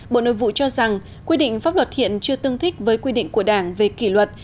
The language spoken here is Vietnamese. bộ nội vụ cho rằng quy định pháp luật thiện chưa tương thích với quy định của đảng về kỷ luật